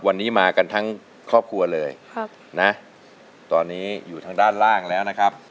วันนี้มากันทั้งครอบครัวเลยครับนะตอนนี้อยู่ทางด้านล่างแล้วนะครับ